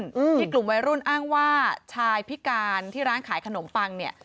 อืมที่กลุ่มวัยรุ่นอ้างว่าชายพิการที่ร้านขายขนมปังเนี้ย